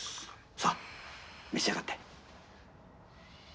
さあ召し上がって。